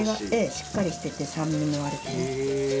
しっかりしてて酸味もある。